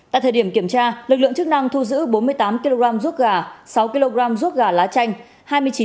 tại thời điểm kiểm tra lực lượng chức năng thu giữ bốn mươi tám kg ruốc gà sáu kg ruốc gà lá chanh